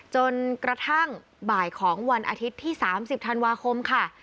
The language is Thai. จนกระทั่งบ่ายของวันอาทิตย์ที่๓๐ธันวาคมค่ะ